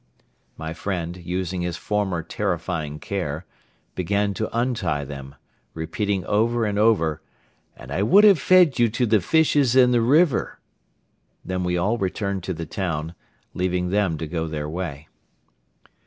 My friend, using his former terrifying care, began to untie them, repeating over and over: "And I would have fed you to the fishes in the river!" Then we all returned to the town, leaving them to go their way.